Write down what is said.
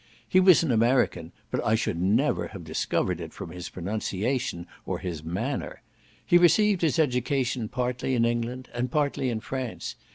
He was an American, but I should never have discovered it from his pronunciation or manner. He received his education partly in England, and partly in France.